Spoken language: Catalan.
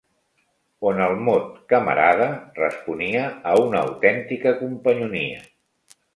On el mot «camarada» responia a una autèntica companyonia